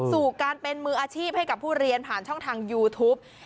สู่การเป็นมืออาชีพให้กับผู้เรียนผ่านช่องทางยูทูป